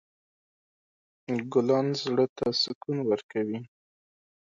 ګلان زړه ته سکون ورکوي.